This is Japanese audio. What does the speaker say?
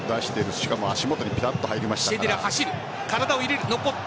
しかも足元にぴたっと入りましたから。